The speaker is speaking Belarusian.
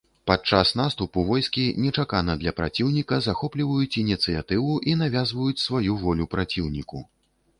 Падчас наступу войскі, нечакана для праціўніка, захопліваюць ініцыятыву і навязваюць сваю волю праціўніку.